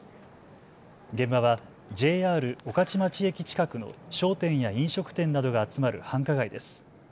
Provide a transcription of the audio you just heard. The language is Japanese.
現場はＪＲ御徒町駅近くの商店や飲食店などが集まる繁華街です。